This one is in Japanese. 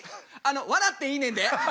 笑っていいねんで。